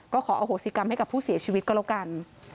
ก็ขออโหสิกรรมให้กับผู้เสียชีวิตก็แล้วกัน